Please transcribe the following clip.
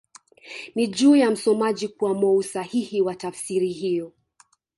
Ni juu ya msomaji kuamua usahihi wa tafsiri hiyo